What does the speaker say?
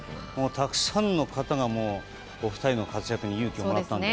たくさんの方がお二人の活躍に勇気をもらったので。